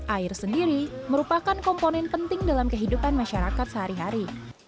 air sendiri merupakan komponen penting dalam kehidupan masyarakat sehari hari